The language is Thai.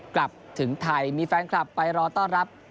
กลับถึงไทยมีแฟนคลับไปรอต้อนรับ